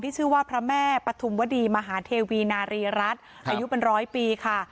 ชื่อว่าพระแม่ปฐุมวดีมหาเทวีนารีรัฐอายุเป็นร้อยปีค่ะ